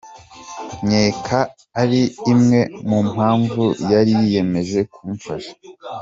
Nkeka ari imwe mu mpamvu yari yiyemeje kumfasha.